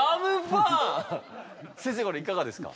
先生これいかがですか？